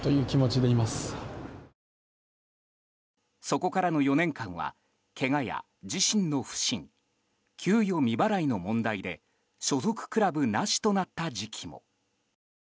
そこからの４年間はけがや自身の不振給与未払いの問題で所属クラブなしとなった時期も。